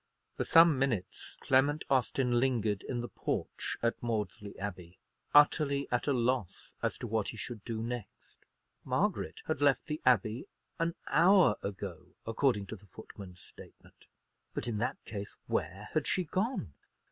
For some minutes Clement Austin lingered in the porch at Maudesley Abbey, utterly at a loss as to what he should do next. Margaret had left the Abbey an hour ago, according to the footman's statement; but, in that case, where had she gone?